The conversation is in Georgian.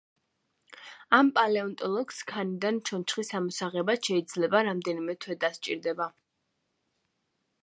ამ პალეონტოლოგს ქანიდან ჩონჩხის ამოსაღებად შეიძლება რამდენიმე თვე დასჭირდება.